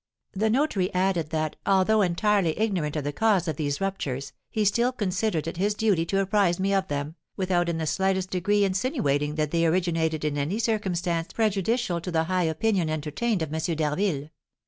The notary added that, although entirely ignorant of the cause of these ruptures, he still considered it his duty to apprise me of them, without in the slightest degree insinuating that they originated in any circumstance prejudicial to the high opinion entertained of M. d'Harville.